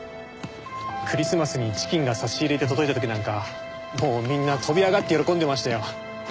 クリスマスにチキンが差し入れで届いた時なんかもうみんな飛び上がって喜んでましたよ。